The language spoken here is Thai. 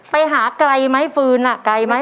ไปหาไกลไหมฟืนไกลไหม